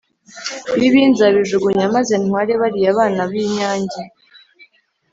bibi nzabijugunya maze ntware bariya bana b’inyange”.